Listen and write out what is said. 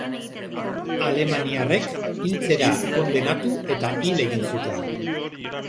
Alemaniarrek hiltzera kondenatu eta hil egin zuten.